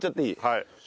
はい。